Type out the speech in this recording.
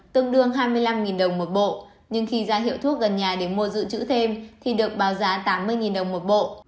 tương đương hai mươi năm đồng một bộ nhưng khi ra hiệu thuốc gần nhà để mua dự trữ thêm thì được báo giá tám mươi đồng một bộ